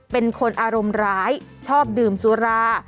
เป็นคนอารมณ์ร้ายชอบดื่มสุรา